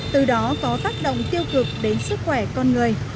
từ đó có tác động tiêu cực đến sức khỏe con người